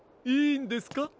いいんですか？